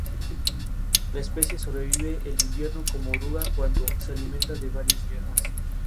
Dirigió conjuntamente con Ruy Mauro Marini la revista "Terra Firme".